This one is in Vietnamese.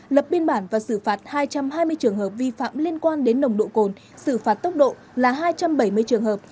lập biên bản và xử phạt hai trăm hai mươi trường hợp vi phạm liên quan đến nồng độ cồn xử phạt tốc độ là hai trăm bảy mươi trường hợp